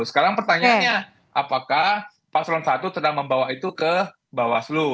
sekarang pertanyaannya apakah paslon satu sedang membawa itu ke bawaslu